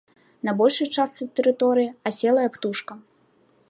На большай частцы тэрыторыі аселая птушка.